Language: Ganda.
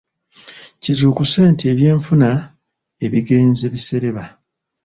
Kizuukuse nti ebyenfuna ebigenze bisereba.